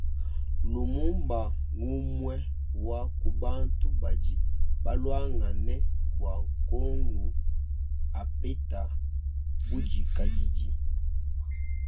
Lumumba mgumue wa kubantu badi baluangane bua kongu apeta budikadidi.